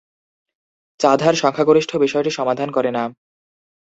"চাধা"র সংখ্যাগরিষ্ঠ বিষয়টি সমাধান করে না।